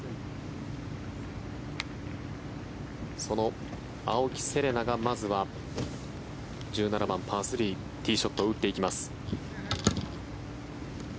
その青木瀬令奈がまずは１７番、パー３ティーショットを打っていきます。